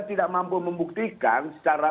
tidak mampu membuktikan secara